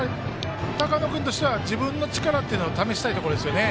高野君としては自分の力を試したいところでしょうね。